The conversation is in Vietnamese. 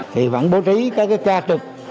thì vẫn bố trí các ca trực